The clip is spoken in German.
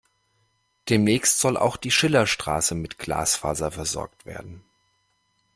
Demnächst soll auch die Schillerstraße mit Glasfaser versorgt werden.